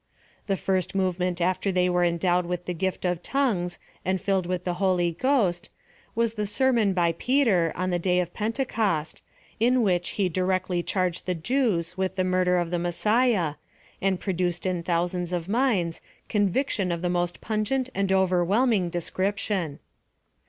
The first movement after they ^i^ere endowed with the gift of tongues, and filled 'vith the Holy Ghost, was the sermon by Peter, on the day of Pentecost, in which he directly charged the Jews with the murder of the Messiah, and produced in thousands of minds, conviction of the most pungent and overwhelming description.